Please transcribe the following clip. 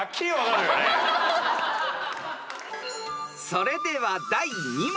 ［それでは第２問］